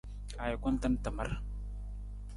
Ajukun tan tamar.